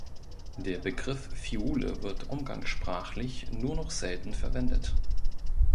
Der Begriff "Phiole" wird umgangssprachlich nur noch selten verwendet.